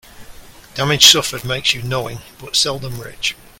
Damage suffered makes you knowing, but seldom rich.